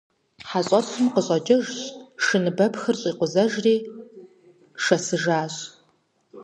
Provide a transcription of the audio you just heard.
ХьэщӀэщым къыщӀэкӀыжщ, шыныбэпхыр щӀикъузэжри шэсыжащ.